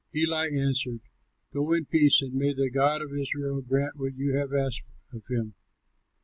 Eli answered, "Go in peace, and may the God of Israel grant what you have asked of him."